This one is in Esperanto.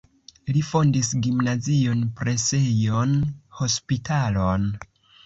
Li fondis gimnazion, presejon, hospitalon.